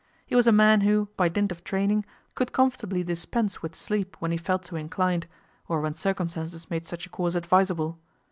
He was a man who, by dint of training, could comfortably dispense with sleep when he felt so inclined, or when circumstances made such a course advisable.